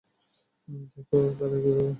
দেখ তাকায় কীভাবে?